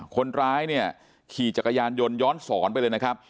คนร้ายเนี่ยขี่จักรยานยนต์ย้อนสอนไปเลยนะครับ